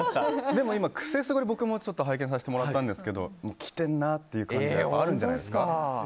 でも今「クセスゴ」で拝見させてもらったんですけど来てるなって感じあるんじゃないですか？